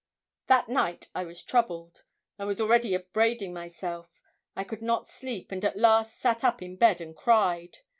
That night I was troubled. I was already upbraiding myself. I could not sleep, and at last sat up in bed, and cried.